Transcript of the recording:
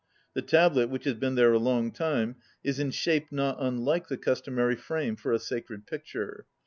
The tablet, which has been there a long time, is in shape not unlike the customary frame for a sacred picture.